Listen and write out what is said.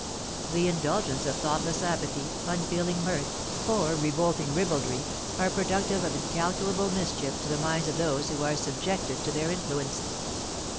The indulgence of thoughtless apathy, unfeeling mirth, or revolting ribaldry, are productive of incalculable mischief to the minds of those who are subjected to their influence.